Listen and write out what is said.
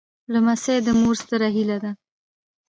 لمسی د مور ستره هيله ده.